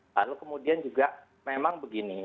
lalu kemudian juga memang begini